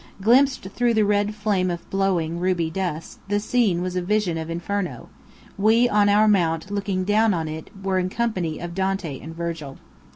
Glimpsed through the red flame of blowing, ruby dust, the scene was a vision of Inferno; we on our mount looking down on it were in company of Dante and Virgil.